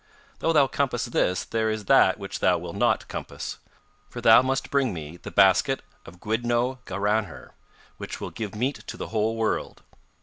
'Though thou compass this there is that which thou wilt not compass. For thou must bring me the basket of Gwyddneu Garanhir which will give meat to the whole world.